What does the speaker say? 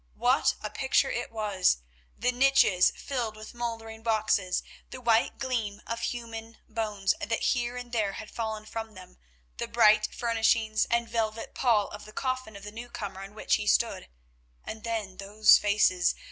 What a picture it was; the niches filled with mouldering boxes, the white gleam of human bones that here and there had fallen from them, the bright furnishings and velvet pall of the coffin of the newcomer on which he stood—and then those faces.